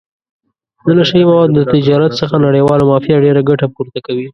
د نشه یي موادو د تجارت څخه نړیواله مافیا ډېره ګټه پورته کوي.